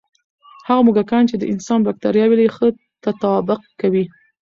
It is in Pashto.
هغه موږکان چې د انسان بکتریاوې لري، ښه تطابق کوي.